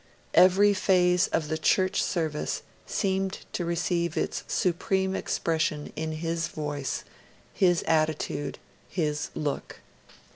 Every phase of the Church service seemed to receive its supreme expression in his voice, his attitude, his look.